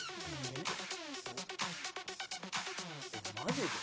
マジで？